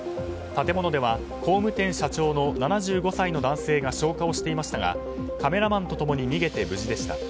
建物では工務店社長の７５歳の男性が消火をしていましたがカメラマンと共に逃げて無事でした。